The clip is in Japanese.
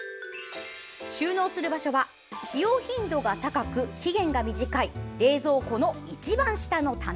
収納する場所は使用頻度が高く期限が短い冷蔵庫の一番下の棚。